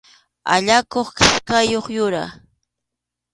Allakuq kichkayuq yura.